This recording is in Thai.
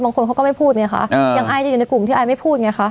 บางคนเขาก็ไม่พูดไงคะยังอายจะอยู่ในกลุ่มที่ไอไม่พูดไงคะ